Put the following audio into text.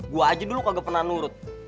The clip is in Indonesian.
gue aja dulu kagak pernah nurut